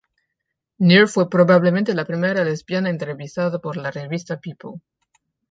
Near fue probablemente la primera lesbiana entrevistada por la revista "People".